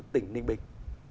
tỉnh ninh bình